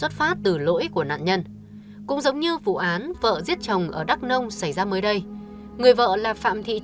cho dù cuộc sống vợ chồng của thưa không mấy hạnh phúc